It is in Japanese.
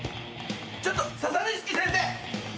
ちょっとササニシキ先生！